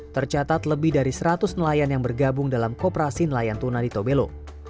tercatat lebih dari seratus nelayan yang bergabung dalam kooperasi nelayan tuna di tobelo